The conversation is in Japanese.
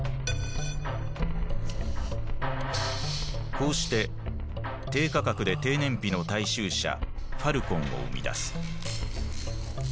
こうして低価格で低燃費の大衆車「ファルコン」を生み出す。